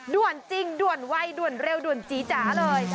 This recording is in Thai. ด่วนจริงด่วนไวด่วนเร็วด่วนจีจ๋าเลย